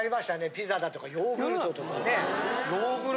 ピザだとかヨーグルトとかね。